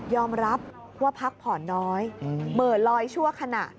รับว่าพักผ่อนน้อยเหม่อลอยชั่วขณะ